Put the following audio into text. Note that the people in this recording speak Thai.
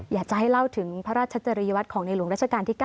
อยากจะให้เล่าถึงพระราชจริยวัตรของในหลวงราชการที่๙